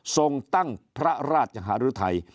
ทรงตั้งพระราชหารุทัย